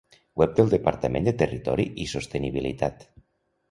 Web del Departament de Territori i Sostenibilitat.